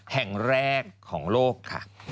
แห่งแรกของโลกค่ะ